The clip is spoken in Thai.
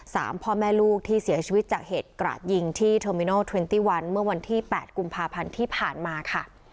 พ่อแม่ลูกที่เสียชีวิตจากเหตุกระดยิงที่เทอร์มิโนทรินตี้วันเมื่อวันที่แปดกุมภาพันธ์ที่ผ่านมาค่ะ